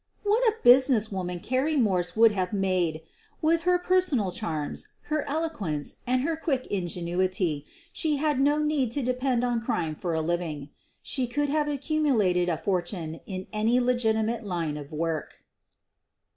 What a business woman Carrie Morse would have made I With her personal charms, her eloquence, and her quick ingenuity she had no need to depend on crime for a living — she could have accumulated a fortune in any legitimate line of work.